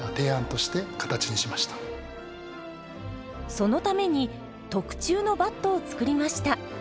そのために特注のバットを作りました。